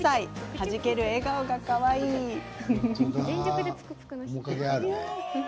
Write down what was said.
はじける笑顔がかわいいですね。